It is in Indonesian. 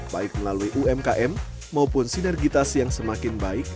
baik melalui umkm maupun sinergitas yang semakin baik